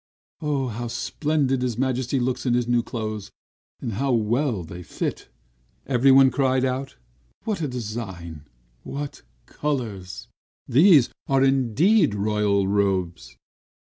"How splendid his Majesty looks in his new clothes, and how well they fit!" everyone cried out. "What a design! What colors! These are indeed royal robes!"